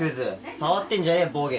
触ってんじゃねえボケ。